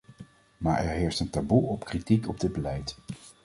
Maar er heerst een taboe op kritiek op dit beleid.